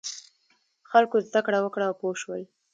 خلکو زده کړه وکړه او پوه شول.